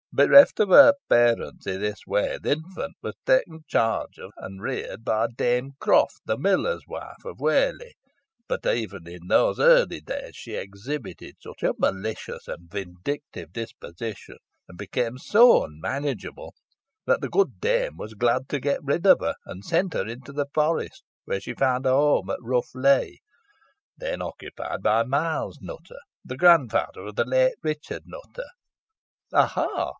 "Bereft of her parents in this way, the infant was taken charge of and reared by Dame Croft, the miller's wife of Whalley; but even in those early days she exhibited such a malicious and vindictive disposition, and became so unmanageable, that the good dame was glad to get rid of her, and sent her into the forest, where she found a home at Rough Lee, then occupied by Miles Nutter, the grandfather of the late Richard Nutter." "Aha!"